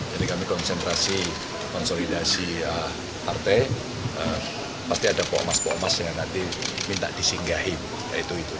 jadi kami konsentrasi konsolidasi partai pasti ada poemas poemas yang nanti minta disinggahi itu itu